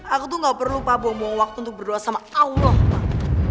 aku tuh gak perlu pak buang waktu untuk berdoa sama allah pak